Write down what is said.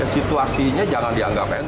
situasinya jangan dianggap enteng